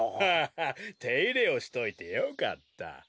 ッていれをしといてよかった。